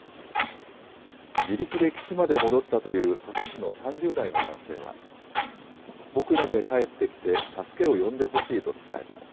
自力で岸まで戻ったという土佐市の３０代の男性は、僕だけ帰ってきて、助けを呼んでほしいと伝えた。